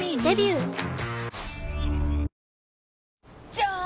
じゃーん！